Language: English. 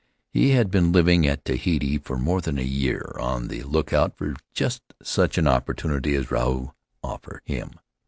He had been living at Tahiti for more than a year, on the lookout for just such an opportunity as Ruau offered him.